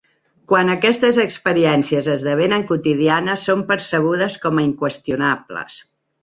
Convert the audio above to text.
Quan aquestes experiències esdevenen quotidianes, són percebudes com a 'inqüestionables'.